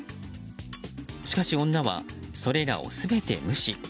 しかし女は、それらを全て無視。